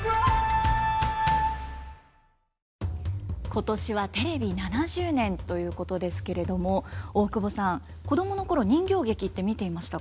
今年はテレビ７０年ということですけれども大久保さん子供の頃人形劇って見ていましたか？